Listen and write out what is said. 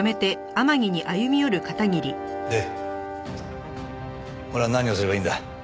で俺は何をすればいいんだ？